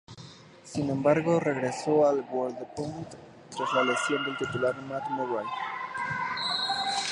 Sin embargo, regresó al Wolverhampton tras la lesión del titular Matt Murray.